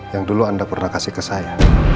yang dulu anda pernah kasih ke saya